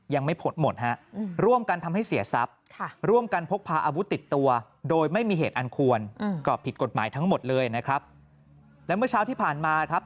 ยังไม่ผดหมดฮะร่วมกันทำให้เสียทรัพย์